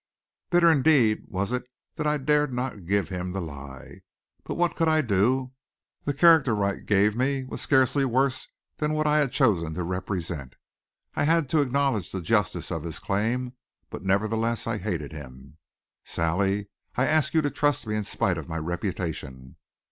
Bitter indeed was it that I dared not give him the lie. But what could I do? The character Wright gave me was scarcely worse than what I had chosen to represent. I had to acknowledge the justice of his claim, but nevertheless I hated him. "Sally, I ask you to trust me in spite of my reputation."